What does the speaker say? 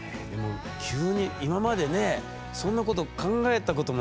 急に今までねそんなこと考えたこともないでしょう？